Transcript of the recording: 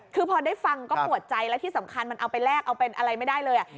คือพอได้ฟังก็ปวดใจและที่สำคัญมันเอาไปแลกเอาเป็นอะไรไม่ได้เลย